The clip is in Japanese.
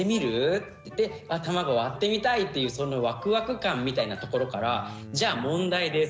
卵割ってみたいっていうそのワクワク感みたいなところから「じゃあ問題です。